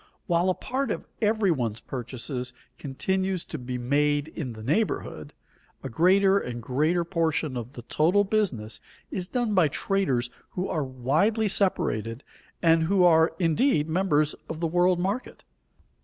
While a part of every one's purchases continues to be made in the neighborhood, a greater and greater portion of the total business is done by traders who are widely separated and who are indeed members of the world market.